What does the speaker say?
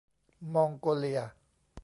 มองโกเลีย